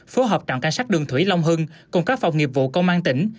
phối hợp trạm cảnh sát đường thủy long hưng cùng các phòng nghiệp vụ công an tỉnh